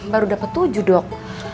baru dapat tujuh dok